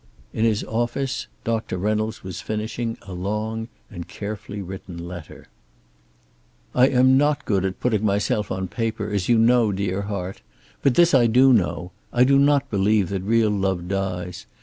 In the office Doctor Reynolds was finishing a long and carefully written letter. "I am not good at putting myself on paper, as you know, dear heart. But this I do know. I do not believe that real love dies.